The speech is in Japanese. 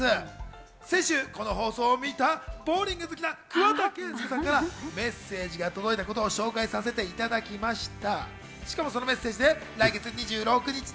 先週この放送を見たボウリング好きな桑田佳祐さんから、メッセージが届いたことを紹介させていただきました。